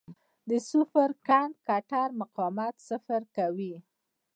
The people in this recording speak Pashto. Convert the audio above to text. د سوپر کنډکټر مقاومت صفر کوي.